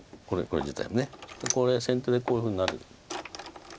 これ先手でこういうふうになる。